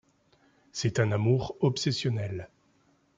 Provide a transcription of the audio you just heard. C’est un amour obsessionnel.